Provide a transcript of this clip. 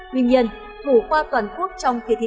tuy nhiên thủ khoa toàn quốc trong thi tốt nghiệp